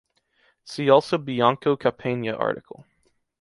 See also Bianco Capena article.